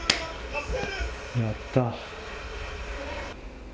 やった。